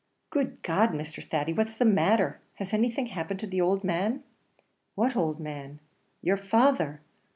"Good God! Mr. Thady, what's the matther? has anything happened the owld man?" "What owld man?" "Your father."